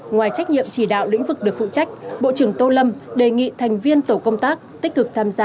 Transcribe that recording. ngoài trách nhiệm chỉ đạo lĩnh vực được phụ trách bộ trưởng tô lâm đề nghị thành viên tổ công tác tích cực tham gia